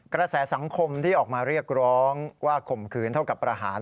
กระแสสังคมที่ออกมาเรียกร้องว่าข่มขืนเท่ากับประหาร